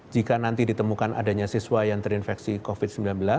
jika nanti ditemukan adanya siswa yang terinfeksi covid sembilan belas